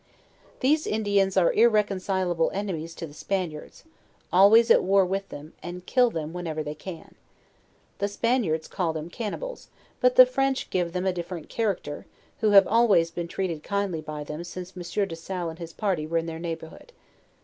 These Indians are irreconcilable enemies to the Spaniards, always at war with them, and kill them when ever they can. The Spaniards call them cannibals, but the French give them a different character, who have al ways been treated kindly by them since Monsieur de Salle and his party were in their neighborhood.